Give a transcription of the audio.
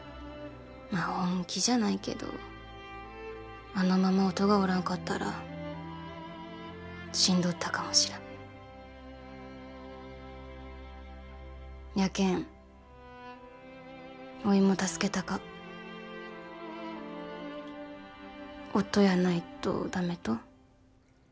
ま本気じゃないけどあのまま音がおらんかったら死んどったかもしらんやけんおいも助けたか音やないとダメと？